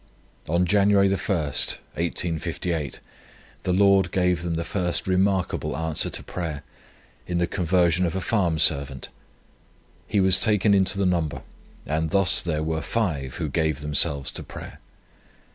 On January 1, 1858, the Lord gave them the first remarkable answer to prayer in the conversion of a farm servant. He was taken into the number, and thus there were five who gave themselves to prayer.